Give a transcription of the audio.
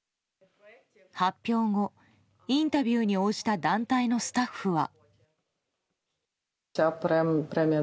発表後、インタビューに応じた団体のスタッフは。